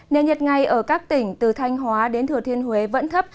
nền nhiệt ngay ở các tỉnh từ thanh hóa đến thừa thiên huế vẫn thấp